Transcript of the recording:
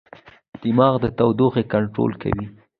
دماغ د تودوخې کنټرول کوي.